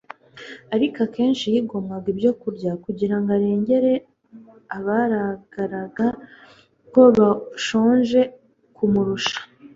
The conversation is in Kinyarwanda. ariko kenshi Yigomwaga ibyo kurya kugira ngo arengere abagaragaraga ko bashonje kumurusha